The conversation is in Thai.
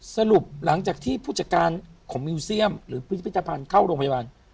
สรุปหลังจากที่ผู้จัดการของมิวเซียมหรือพิพิธภัณฑ์เข้าโรงพยาบาล